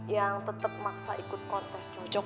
yang tetep maksa ikut kontras cocok